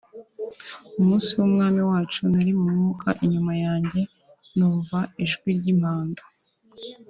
umunsi w’Umwami wacu nari mu Mwuka inyuma yanjye numva ijwi ry’impanda